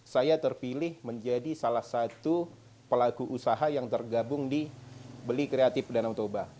saya terpilih menjadi salah satu pelaku usaha yang tergabung di beli kreatif danau toba